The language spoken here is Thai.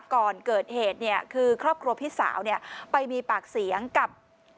ก่อนเกิดเหตุคือครอบครัวพี่สาวไปมีปากเสียงกับ